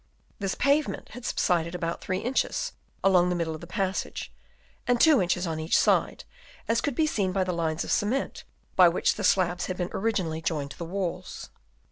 This pavement had subsided about 3 inches along the middle of the passage, and two inches on each side, as could be seen by the lines of cement by which the slabs had been originally joined to the walls.